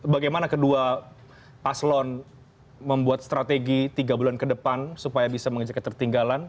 bagaimana kedua paslon membuat strategi tiga bulan ke depan supaya bisa mengejar ketertinggalan